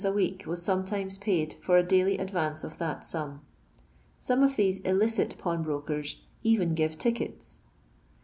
a week was sometimes paid for a daily advance of that sum. Some of theae "iiliek^ pawnbrokers even give tickets.